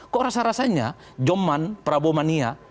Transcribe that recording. kok rasa rasanya joman prabomania